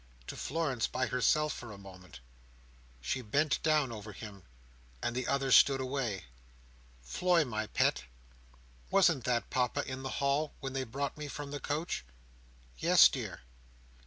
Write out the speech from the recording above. "To Florence by herself, for a moment!" She bent down over him, and the others stood away. "Floy, my pet, wasn't that Papa in the hall, when they brought me from the coach?" "Yes, dear."